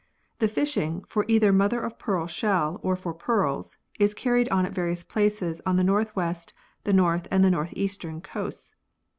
The fishing, for either mother of pearl shell or for pearls, is carried on at various places on the north west, the north and north eastern coasts.